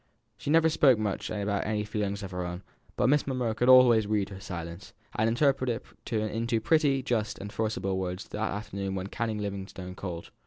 She never spoke much about any feelings of her own, but Miss Monro could always read her silence, and interpreted it into pretty just and forcible words that afternoon when Canon Livingstone called.